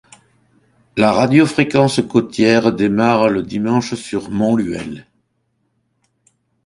La radio Fréquence Côtière démarre le dimanche sur Montluel.